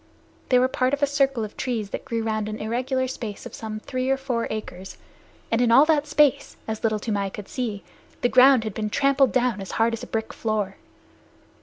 They were part of a circle of trees that grew round an irregular space of some three or four acres, and in all that space, as Little Toomai could see, the ground had been trampled down as hard as a brick floor.